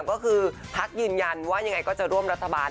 ก็คือพักยืนยันว่ายังไงก็จะร่วมรัฐบาล